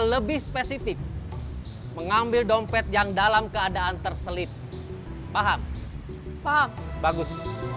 lebih spesifik mengambil dompet yang dalam keadaan terselip paham paham bagus